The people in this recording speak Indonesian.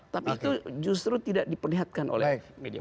tapi itu justru tidak diperlihatkan oleh media